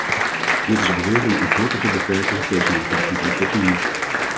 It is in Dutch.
Dit is alweer een ongelukkige beperking tegenover de publiek opinie.